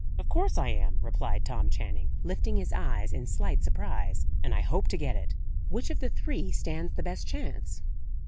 "Of course I am," replied Tom Channing, lifting his eyes in slight surprise. "And I hope to get it." "Which of the three stands the best chance?"